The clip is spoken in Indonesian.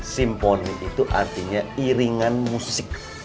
simponik itu artinya iringan musik